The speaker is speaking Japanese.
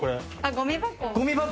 ごみ箱？